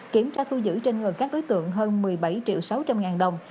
kiểm tra thu giữ trên người các đối tượng hơn một mươi bảy triệu sáu trăm linh ngàn đồng